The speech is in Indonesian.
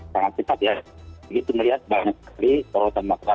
sangat cepat ya begitu melihat banyak sekali sorotan masyarakat